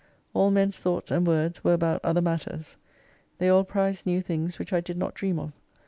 All men's thoughts and words were about other matters. They all prized new things which I did not dream of.